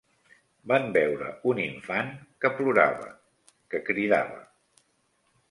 Van veure un infant que plorava, que cridava